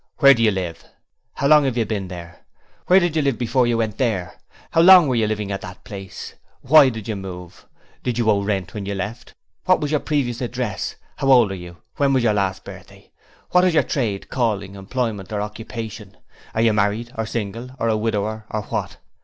'Where do you live?' 'How long have you been living there?' 'Where did you live before you went there?' 'How long were you living at that place?' 'Why did you move?' 'Did you owe any rent when you left?' 'What was your previous address?' 'How old are you? When was your last birthday?' 'What is your Trade, Calling, Employment, or Occupation?' 'Are you Married or single or a Widower or what?'